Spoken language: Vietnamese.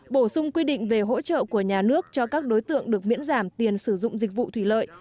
bổ sung quy định về hỗ trợ của nhà nước cho các đối tượng được miễn giảm tiền sử dụng dịch vụ thủy lợi